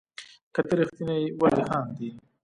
که ته ريښتيني يي ولي خاندي